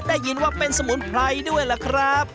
ได้ยินว่าเป็นสมุนไพรด้วยล่ะครับ